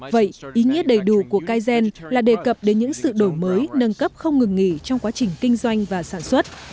vậy ý nghĩa đầy đủ của kygen là đề cập đến những sự đổi mới nâng cấp không ngừng nghỉ trong quá trình kinh doanh và sản xuất